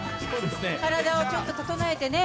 体をちょっと整えてね。